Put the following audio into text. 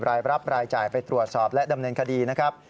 รายรับรายจ่ายไปตรวจสอบและดำเนินคดีนะครับ